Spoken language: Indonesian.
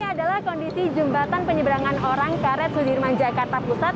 ini adalah kondisi jembatan penyeberangan orang karet sudirman jakarta pusat